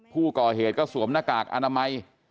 ผู้ก่อเหตุก็สวมหน้ากากอนามัย